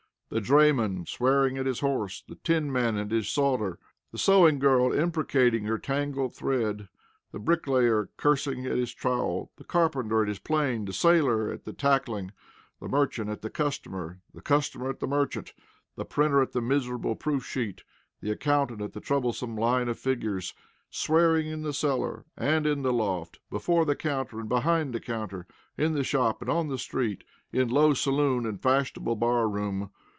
The drayman swearing at his horse; the tinman at his solder; the sewing girl imprecating her tangled thread; the bricklayer cursing at his trowel; the carpenter at his plane; the sailor at the tackling; the merchant at the customer; the customer at the merchant; the printer at the miserable proofsheet; the accountant at the troublesome line of figures; swearing in the cellar and in the loft, before the counter and behind the counter, in the shop and on the street, in low saloon and fashionable bar room.